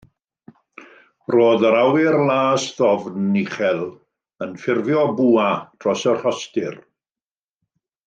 Roedd yr awyr las ddofn, uchel yn ffurfio bwa dros y rhostir.